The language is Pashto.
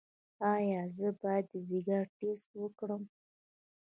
ایا زه باید د ځیګر ټسټ وکړم؟